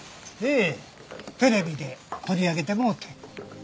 ええテレビで取り上げてもろうて。